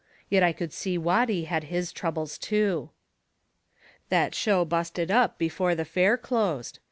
Yet I could see Watty had his troubles too. That show busted up before the fair closed.